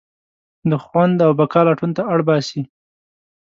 د خوند او بقا لټون ته اړباسي.